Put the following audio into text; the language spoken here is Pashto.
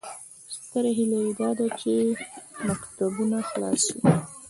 ستره هیله مې داده چې مکتبونه خلاص شي